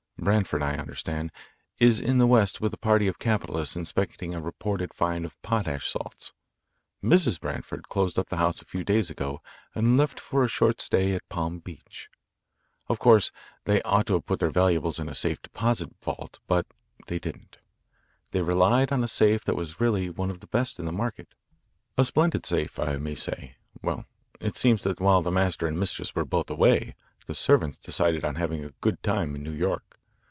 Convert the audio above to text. Branford, I understand, is in the West with a party of capitalists, inspecting a reported find of potash salts. Mrs. Branford closed up the house a few days ago and left for a short stay at Palm Beach. Of course they ought to have put their valuables in a safe deposit vault. But they didn't. They relied on a safe that was really one of the best in the market a splendid safe, I may say. Well, it seems that while the master and mistress were both away the servants decided on having a good time in New York.